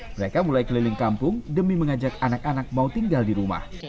mereka mulai keliling kampung demi mengajak anak anak mau tinggal di rumah